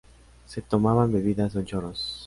Se tomaban bebidas o en chorros.